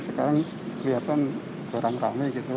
sekarang kelihatan kurang rame gitu